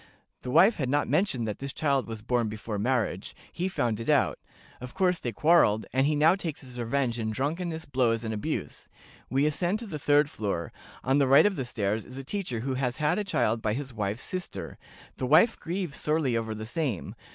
The wife had not mentioned that this child was born before marriage; he found it out; of course they quarreled, and he now takes his revenge in drunkenness, blows, and abuse. We ascend to the third floor. On the right of the stairs is a teacher who has had a child by his wife's sister; the wife grieves sorely over the same.